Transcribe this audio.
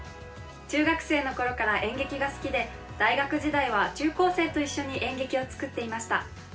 中学生のころから演劇が好きで大学時代は中高生と一緒に演劇を作っていました。